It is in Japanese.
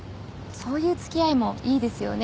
そういう付き合いもいいですよね？